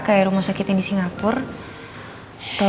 kayak rumah sakit yang di singapura